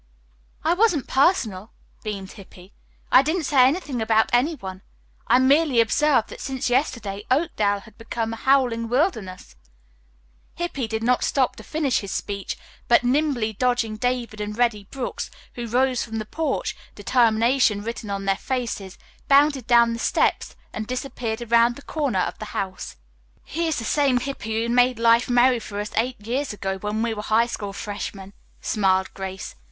"I wasn't personal," beamed Hippy. "I didn't say anything about any one. I merely observed that since yesterday Oakdale had become a howling wilderness " Hippy did not stop to finish his speech, but, nimbly dodging David and Reddy Brooks, who rose from the porch, determination written on their faces, bounded down the steps and disappeared around the corner of the house. "He is the same Hippy who made life merry for us eight years ago when we were high school freshmen," smiled Grace.